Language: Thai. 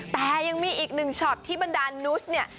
แต่ยังมีอีกหนึ่งช็อตที่บรรดานนุสเนี่ย